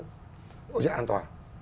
câu chuyện an toàn